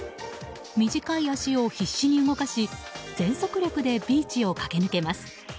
短い脚を必死に動かし全速力でビーチを駆け抜けます。